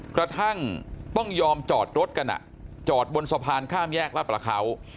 กระทั่งต้องยอมจอดรถกันจอดบนสะพานข้ามแยกลาดประเขา